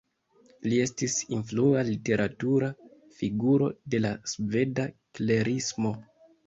Li estis influa literatura figuro de la sveda Klerismo.